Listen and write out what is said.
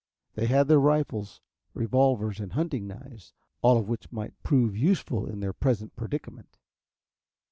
They had their rifles, revolvers and hunting knives, all of which might prove useful in their present predicament.